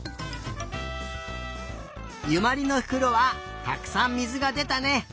ゆまりのふくろはたくさんみずがでたね。